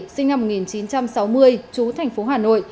sinh năm một nghìn chín trăm sáu mươi chú thành phố hà nội